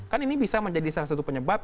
kan ini bisa menjadi salah satu penyebab